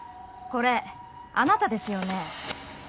これあなたですよね？